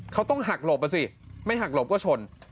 เขาต้องหักหลบอ่ะสิไม่หักหลบก็ชน